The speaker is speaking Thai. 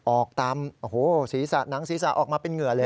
ออกตามหนังศีรษะออกมาเป็นเหงื่อเลย